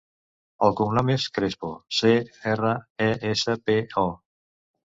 El cognom és Crespo: ce, erra, e, essa, pe, o.